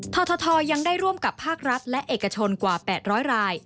ททยังได้ร่วมกับภาครัฐและเอกชนกว่า๘๐๐ราย